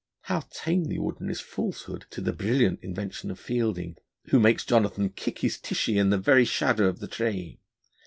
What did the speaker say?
How tame the Ordinary's falsehood to the brilliant invention of Fielding, who makes Jonathan kick his Tishy in the very shadow of the Tree!